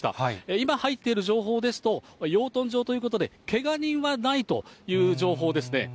今入っている情報ですと、養豚場ということで、けが人はないという情報ですね。